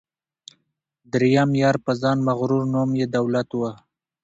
دریم یار په ځان مغرور نوم یې دولت وو